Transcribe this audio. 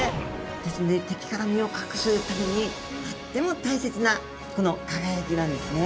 ですので敵から身を隠すためにとっても大切なこの輝きなんですね。